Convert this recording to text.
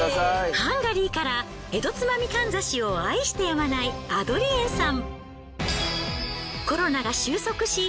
ハンガリーから江戸つまみかんざしを愛してやまないアドリエンさん。